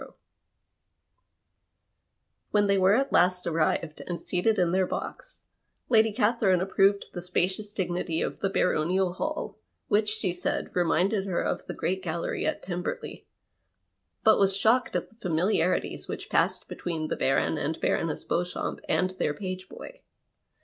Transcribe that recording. Wlien they were at last arrived and seated in their box Lady Catherine approved the spacious dignity of the baronial hall, which, she said, reminded her of the great gallery at Pemberley, but was shocked at the familiarities which passed between the Baron and Baroness Beauxchamps and their page boy.